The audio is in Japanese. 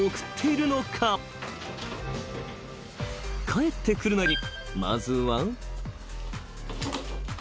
［帰ってくるなりまずは］